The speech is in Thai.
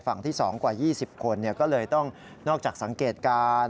ฝั่งที่๒กว่า๒๐คนก็เลยต้องนอกจากสังเกตการณ์